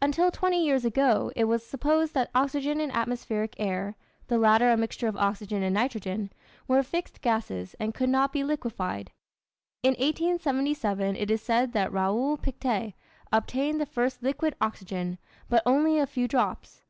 Until twenty years ago it was supposed that oxygen and atmospheric air (the latter a mixture of oxygen and nitrogen) were fixed gases and could not be liquefied. In 1877, it is said that Raoul Pictet obtained the first liquid oxygen, but only a few drops.